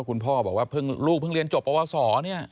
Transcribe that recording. คุณพ่อว่าพึ่งลูกฟึงเรียนจบปวสเนี่ย